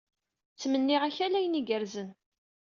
Ttmenniɣ-ak ala ayen igerrzen.